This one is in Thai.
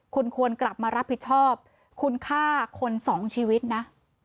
คุณควรกลับมารับผิดชอบคุณฆ่าคนสองชีวิตนะ